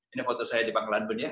ini foto saya di bangkalan pun ya